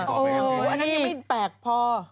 อันนั้นยังไม่แปลกพอ